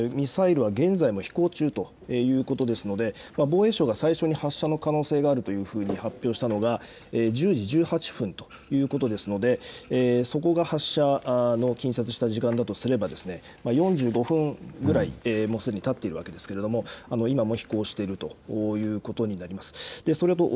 同じ情報ですけれど、ミサイルは現在も飛行中ということですので防衛省が最初に発射の可能性があると発表ししたのが１０時１８分ということですのでそこが発射の近接時間したとすれば４５分ぐらいすでにたっているわけですけれども今も飛行しているということになります。